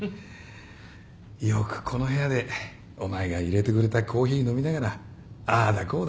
よくこの部屋でお前が入れてくれたコーヒー飲みながらああだこうだ作戦会議したよな。